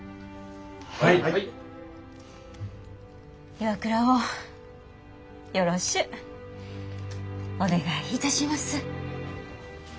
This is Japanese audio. ＩＷＡＫＵＲＡをよろしゅうお願いいたします。